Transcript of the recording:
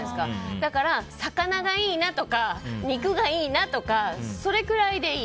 だから魚がいいなとか、肉がいいなとかそれくらいでいい。